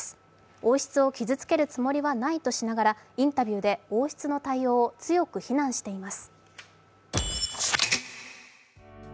王室を傷つけるつもりはないとしながら、インタビューで王室の対応を強く非難しています。